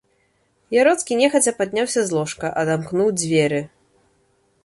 Яроцкі нехаця падняўся з ложка, адамкнуў дзверы.